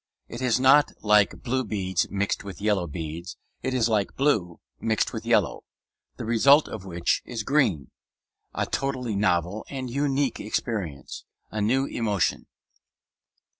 It is not like blue beads mixed with yellow beads; it is like blue mixed with yellow; the result of which is green, a totally novel and unique experience, a new emotion.